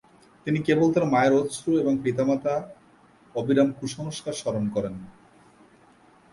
তিনি কেবল তার মায়ের অশ্রু এবং পিতামাতা অবিরাম কুসংস্কার স্মরণ করেন।